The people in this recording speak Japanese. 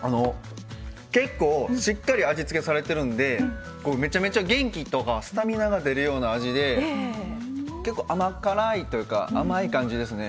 結構、しっかり味付けされているんでめちゃめちゃ元気とかスタミナが出るような味で結構、甘辛いというか甘い感じですね。